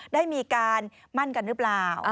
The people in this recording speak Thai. ได้มีการมั่นกันหรือเปล่า